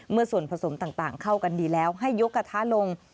เมื่อส่วนผสมต่างเข้ากันดีแล้วให้ยกกระทะลง